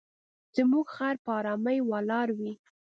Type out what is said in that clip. زموږ خر په آرامۍ ولاړ وي.